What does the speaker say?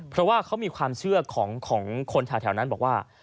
เพราะว่าเขามีความเชื่อของคนแถวนั้นบอกว่า